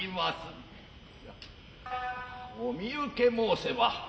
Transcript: おみうけ申せば